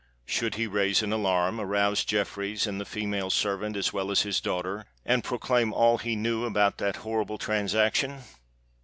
Should he raise an alarm—arouse Jeffreys and the female servant, as well as his daughter—and proclaim all he knew about the horrible transaction!